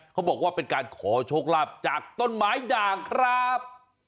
เขาบอกว่าเป็นการขอโชคลาภจากต้นไม้ด่างครับ